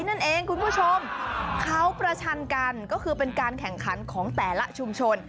นั่นเองคุณผู้ชมเขาประชันกันก็คือเป็นการแข่งขันของแต่ละชุมชน